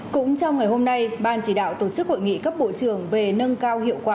cũng trong ngày hôm nay ban chỉ đạo tổ chức hội nghị cấp bộ trưởng về nâng cao hiệu quả